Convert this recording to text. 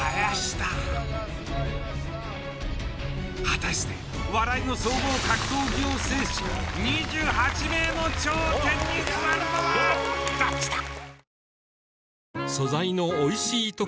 果たして笑いの総合格闘技を制し２８名の頂点に座るのはどっちだ！？